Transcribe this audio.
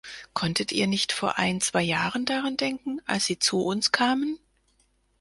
Konntet Ihr nicht vor ein-zwei Jahren daran denken, als sie zu uns kamen?